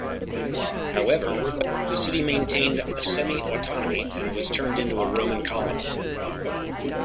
However, the city maintained a semi-autonomy and was turned into a Roman colony.